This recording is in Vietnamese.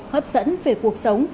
hấp dẫn về cuộc sống